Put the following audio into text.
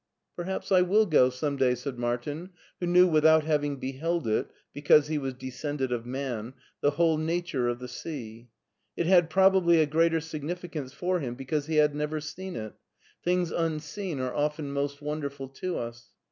''*' Perhaps I will go some day," said Martin, who knew without having beheld it — because he was de scended of man— 4he whole nature of the sea. It had probably a greater significance for him because he had never seen it ; things unseen are often most wonderful to us.